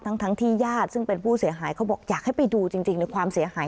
ทั้งที่ญาติซึ่งเป็นผู้เสียหายเขาบอกอยากให้ไปดูจริงในความเสียหาย